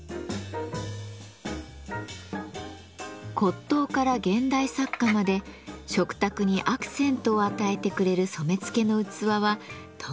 骨董から現代作家まで食卓にアクセントを与えてくれる染付の器は特にお気に入りなのだとか。